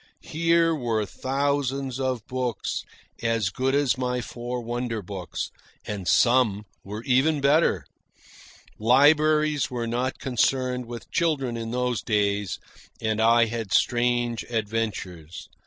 Here were thousands of books as good as my four wonder books, and some were even better. Libraries were not concerned with children in those days, and I had strange adventures.